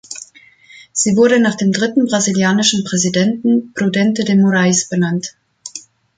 Sie wurde nach dem dritten brasilianischen Präsidenten Prudente de Morais benannt.